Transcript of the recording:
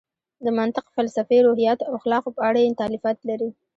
د منطق، فلسفې، روحیاتو او اخلاقو په اړه یې تالیفات لري.